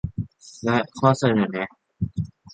และข้อเสนอแนะ